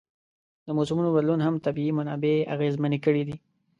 د موسمونو بدلون هم طبیعي منابع اغېزمنې کړي دي.